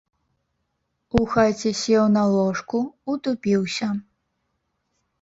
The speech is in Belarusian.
У хаце сеў на ложку, утупіўся.